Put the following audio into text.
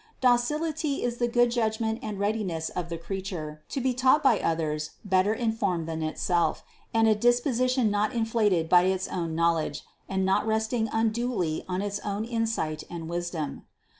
Docil THE CONCEPTION 417 ity is the good judgment and readiness of the creature to be taught by others better informed than itself, and a disposition not inflated by its own knowledge, and not resting unduly on its own insight and wisdom.